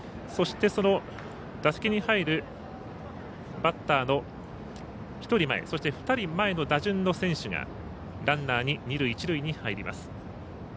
そしてその打席に入るバッターの１人前、そして２人前の打順の選手がランナーに二塁、一塁に入ります。